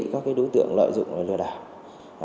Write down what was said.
đối tượng lợi dụng lừa đảo